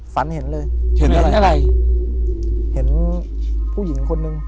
ฝันเห็นเลยจะเห็นอะไรเห็นพี่คนหนึ่ง